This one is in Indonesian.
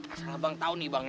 asal abang tahu nih bang ya